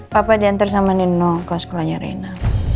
papa diantar sama nino ke sekolahnya rena